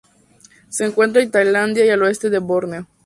Se encuentra en Tailandia y al oeste de Borneo.